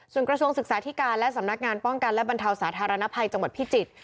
ส่วนกระทรวงศึกษาธิการและสำนักงานป้องกันและบรรเทาสาธารณภัยจังหวัดพิจิตร